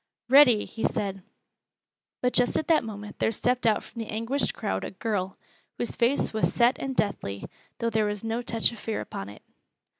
"Ready!" he said. But just at that moment there stepped out from the anguished crowd a girl, whose face was set and deathly, though there was no touch of fear upon it.